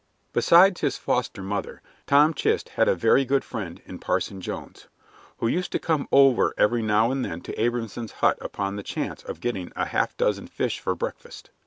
Besides his foster mother, Tom Chist had a very good friend in Parson Jones, who used to come over every now and then to Abrahamson's hut upon the chance of getting a half dozen fish for breakfast.